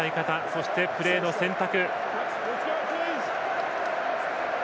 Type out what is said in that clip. そして、プレーの選択。